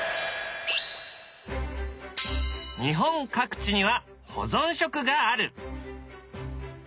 日本各地には保存食がある。